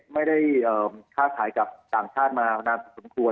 ไม่ได้ค่าสายกับต่างชาติมานานสมควร